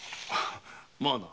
まあな。